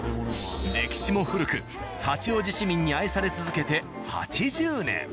歴史も古く八王子市民に愛され続けて８０年。